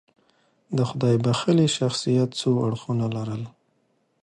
د خدای بښلي شخصیت څو اړخونه لرل.